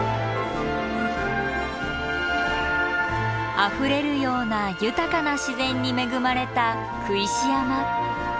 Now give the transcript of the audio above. あふれるような豊かな自然に恵まれた工石山。